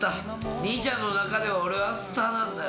兄ちゃんの中では俺はスターなんだよ。